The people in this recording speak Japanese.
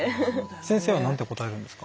先生はなんて答えるんですか？